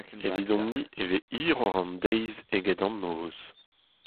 Evidomp-ni e vez hiroc'h an deiz eget an noz.